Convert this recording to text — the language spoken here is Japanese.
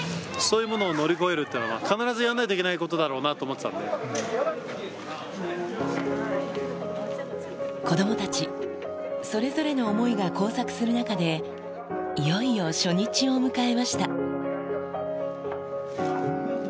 そういうものを乗り越えるっていうのは、必ずやんないといけない子どもたち、それぞれの思いが交錯する中で、いよいよ初日を迎えました。